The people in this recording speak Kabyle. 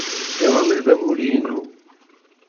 Iḍelli d amulli-inu.